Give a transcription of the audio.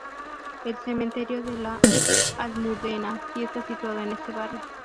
El cementerio de la Almudena sí está situado en este barrio.